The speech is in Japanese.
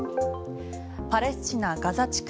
パレスチナ・ガザ地区